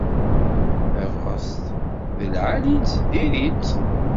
Tabɣest, d lɛali-tt dir-itt